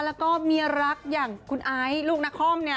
แล้วก็เมียรักอย่างคุณไอซ์ลูกนครเนี่ย